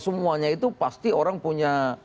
semuanya itu pasti orang punya